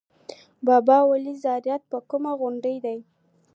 بابای ولي زیارت په کومه غونډۍ دی؟